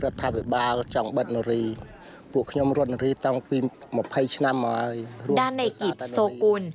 ด้านในกิจโซกุล